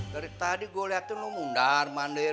dari tadi gue liat tuh lu mundar mandir